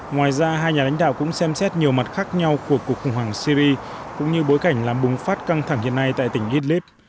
ngoài ra hai nhà lãnh đạo cũng xem xét nhiều mặt khác nhau của cuộc khủng hoảng syri cũng như bối cảnh làm bùng phát căng thẳng hiện nay tại tỉnh idlib